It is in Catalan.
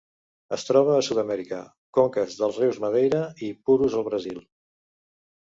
Es troba a Sud-amèrica: conques dels rius Madeira i Purus al Brasil.